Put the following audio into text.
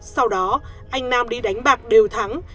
sau đó anh nam đi đánh bạc đều thắng